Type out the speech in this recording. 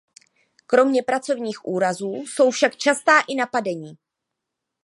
Kromě pracovních úrazů jsou však častá i napadení.